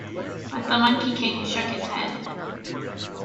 But the Monkey King shook his head.